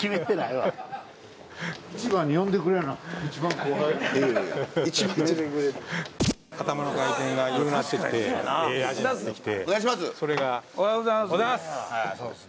おはようございます！